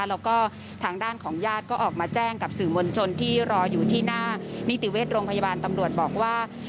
แล้วก็ทางด้านของญาติก็ออกมาแจ้งกับสื่อมวลชนที่รออยู่ที่หน้านิติเวชโรงพยาบาลตำรวจบอกว่า